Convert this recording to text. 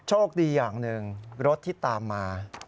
โชคดีอย่างหนึ่งรถที่ตามมา